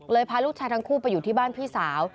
พาลูกชายทั้งคู่ไปอยู่ที่บ้านพี่สาว